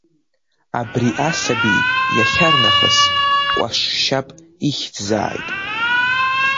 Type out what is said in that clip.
Абри асаби иахьарнахыс Кәашшьап ихьӡзааит.